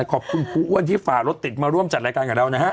ขอบคุณครูอ้วนที่ฝ่ารถติดมาร่วมจัดรายการกับเรานะฮะ